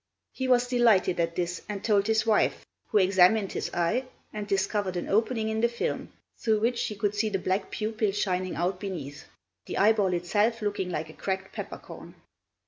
He was delighted at this and told his wife, who examined his eye and discovered an opening in the film, through which she could see the black pupil shining out beneath, the eyeball itself looking like a cracked pepper corn.